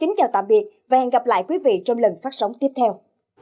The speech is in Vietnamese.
hẹn gặp lại quý vị trong lần phát sóng tiếp theo